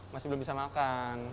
masih belum bisa makan